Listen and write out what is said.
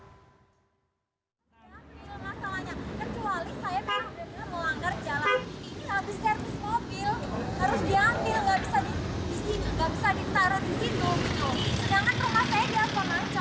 harus diambil nggak bisa ditaruh di situ sedangkan rumah saya dia pun mancol